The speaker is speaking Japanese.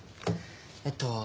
えっと